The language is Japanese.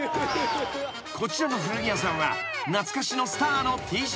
［こちらの古着屋さんは懐かしのスターのＴシャツや］